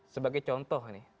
sebagai contoh nih